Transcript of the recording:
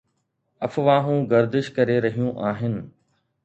افواهون گردش ڪري رهيون آهن